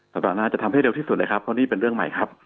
สัปดาห์หน้าจะทำให้เร็วที่สุดเลยครับเพราะนี่เป็นเรื่องใหม่ครับ